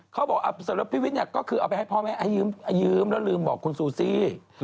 เขาก็บอกแบบนี้